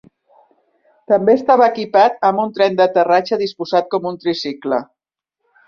També estava equipat amb un tren d'aterratge disposat com un tricicle.